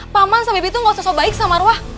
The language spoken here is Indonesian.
paman sama bibi tuh nggak usah sok baik sama marwah